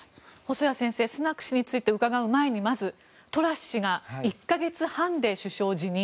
細谷先生スナク氏について伺う前にまずトラス氏が１か月半で首相辞任